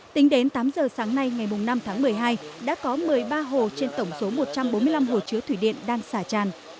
tính đến tám giờ sáng nay ngày năm tháng một mươi hai đã có một mươi ba hồ trên tổng số một trăm bốn mươi năm hồ chứa thủy điện đang xả tràn